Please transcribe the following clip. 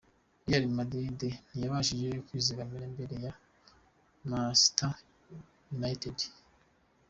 Reyali Madiridi ntiyabashije kwizigamira imbere ya Macesita yunayitedi